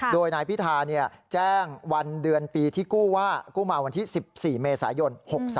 โดยนายพิธาแจ้งวันเดือนปีที่กู้ว่ากู้มาวันที่๑๔เมษายน๖๒